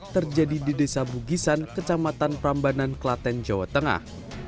terjadi di desa bugisan kecamatan prambanan klaten jawa tengah